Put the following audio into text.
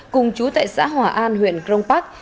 cùng chú tại xã hòa an huyện crong park